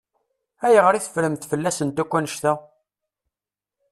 Ayɣer i teffremt fell-asent akk annect-a?